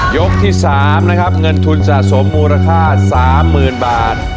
ยกที่๓นะครับเงินทุนสะสมมูลค่า๓๐๐๐บาท